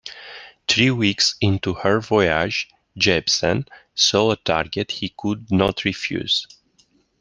Three weeks into her voyage, Jebsen saw a target he could not refuse.